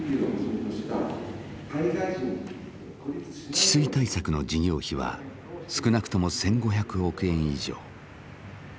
治水対策の事業費は少なくとも１，５００億円以上。